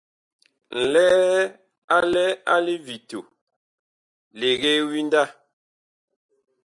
Ŋlɛɛ a lɛ livito, legee winda.